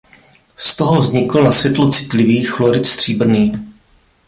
Z toho vznikl na světlo citlivý chlorid stříbrný.